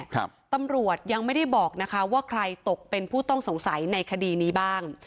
ตำรวจยังไม่ได้บอกนะคะว่าใครตกเป็นผู้ต้องสงสัยในคดีนี้บ้าง